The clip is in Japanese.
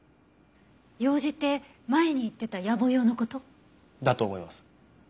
用事って前に言ってた野暮用の事？だと思います。